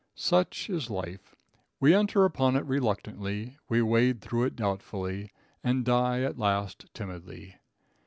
Such is life. We enter upon it reluctantly; we wade through it doubtfully, and die at last timidly.